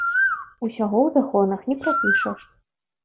Усяго ў законах не прапішаш.